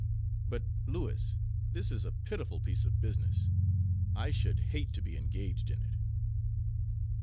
"But, Louis, this is a pitiful piece of business. I should hate to be engaged in it."